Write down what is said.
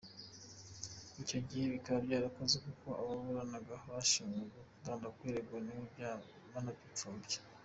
Icyo gihe bikaba byarakozwe kuko ababuraniraga abashinjwa bakundaga kwiregura bayihakana, banayipfobya.